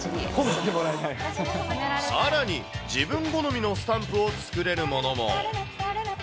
さらに、自分好みのスタンプを作れるものも。